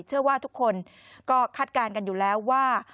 เชื่อว่าทุกคนก็คาดการณ์กันอยู่แล้วว่า